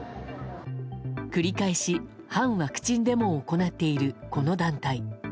繰り返し、反ワクチンデモを行っているこの団体。